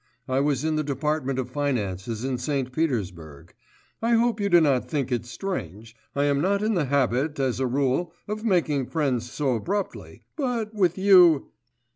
I was in the department of finances in St. Petersburg. I hope you do not think it strange.... I am not in the habit as a rule of making friends so abruptly ... but with you....